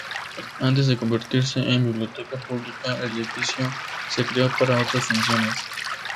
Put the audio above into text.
Antes de convertirse en biblioteca pública el edificio se creó para otras funciones.